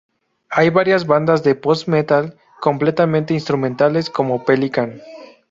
Hay varias bandas de "post-metal" completamente instrumentales, como Pelican.